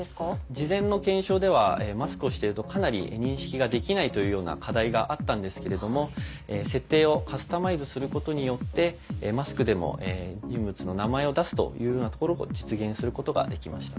事前の検証ではマスクをしているとかなり認識ができないというような課題があったんですけれども設定をカスタマイズすることによってマスクでも人物の名前を出すというようなところを実現することができました。